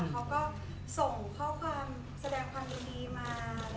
เขาก็ส่งข้อความแสดงความยินดีมา